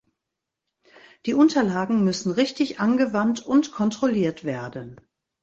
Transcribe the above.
Die Unterlagen müssen richtig angewandt und kontrolliert werden.